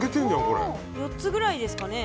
４つくらいですかね。